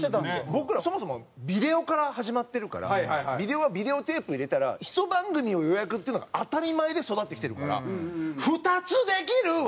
僕らそもそもビデオから始まってるからビデオはビデオテープ入れたら１番組を予約っていうのが当たり前で育ってきてるから「２つできる！？」。